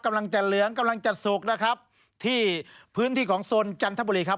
กำลังจะเหลืองกำลังจะสุกนะครับที่พื้นที่ของโซนจันทบุรีครับ